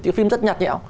thì phim rất nhạt nhẹo